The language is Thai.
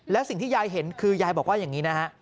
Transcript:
แล้วสิ่งที่ยายเห็นคือยายบอกว่าอย่างนี้นะฮะ